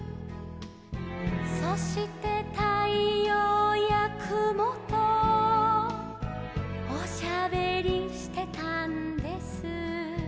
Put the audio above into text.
「そしてたいようやくもとおしゃべりしてたんです」